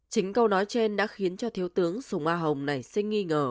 chính câu nói trên đã khiến cho thiếu tướng sùng a hồng nảy sinh nghi ngờ